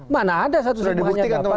mana ada satu seribu hanya dapat